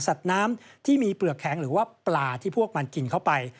น้ำที่มีเปลือกแข็งหรือว่าปลาที่พวกมันกินเข้าไป